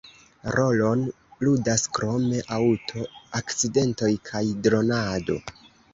Rolon ludas krome aŭto-akcidentoj kaj dronado.